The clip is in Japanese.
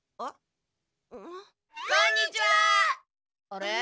あれ？